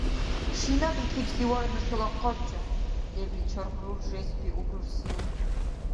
Чина бикибси вара нушала къача? – лебил чарх руржесбииб рурсила.